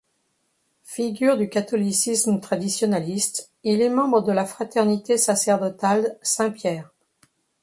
Figure du catholicisme traditionaliste, il est membre de la Fraternité sacerdotale Saint-Pierre.